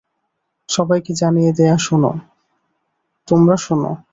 সবাইকে জানিয়ে দেয়া-শোন, তোমরা শোন!